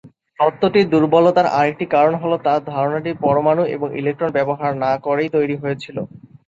তত্ত্বটির দুর্বলতার আরেকটি কারণ হলো, তার ধারণাটি পরমাণু এবং ইলেকট্রন ব্যবহার না করেই তৈরি হয়েছিল।